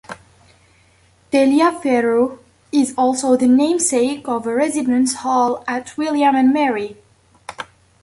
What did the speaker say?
Taliaferro is also the namesake of a residence hall at William and Mary.